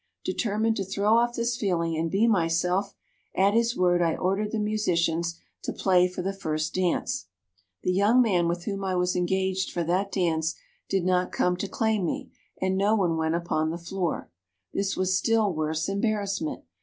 Determined to throw off this feeling and be myself, at his word I ordered the musicians to play for the first dance. "The young man with whom I was engaged for that dance did not come to claim me, and no one went upon the floor. This was still worse embarrassment.